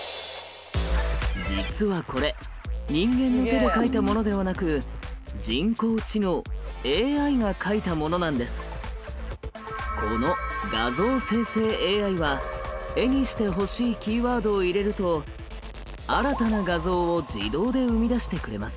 実はこれ人間の手で描いたものではなくこの画像生成ＡＩは絵にしてほしいキーワードを入れると新たな画像を自動で生み出してくれます。